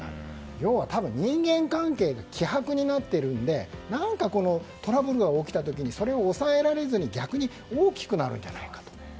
要は人間関係が希薄になっているので何かトラブルが起きた時にそれを抑えられずに逆に大きくなるんじゃないかと。